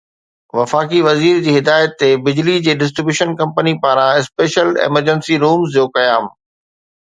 وفاقي وزير جي هدايت تي بجلي جي ڊسٽري بيوشن ڪمپنين پاران اسپيشل ايمرجنسي رومز جو قيام